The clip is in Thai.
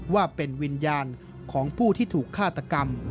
ว่าเป็นวิญญาณของผู้ที่ถูกฆาตกรรม